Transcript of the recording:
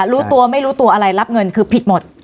รู้ตัวไม่รู้ตัวอะไรรับเงินคือผิดหมด